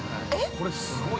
◆これ、すごい。